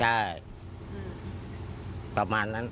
ใช่ประมาณนั้น